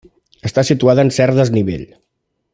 Està situada en cert desnivell.